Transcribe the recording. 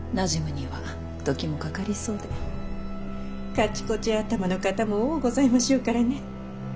かちこち頭の方も多うございましょうからね。